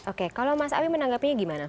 oke kalau mas awi menanggapinya gimana